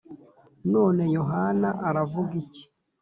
None Yohana aravuga iki?